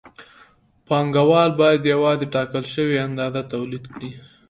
پانګوال باید یوازې ټاکل شوې اندازه تولید کړي